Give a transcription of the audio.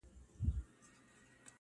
ښاغلي جهاني هارون د پښتو ادب